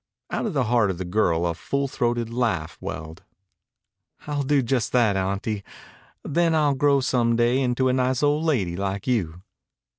Out of the heart of the girl a full throated laugh welled. "I'll do just that, Auntie. Then I'll grow some day into a nice old lady like you."